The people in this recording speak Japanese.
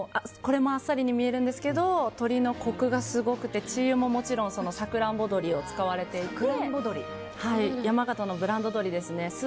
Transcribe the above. あっさりに見えるんですけど鶏のコクがすごくて鶏油ももちろんさくらんぼ鶏を使われていて山形のブランド鶏です。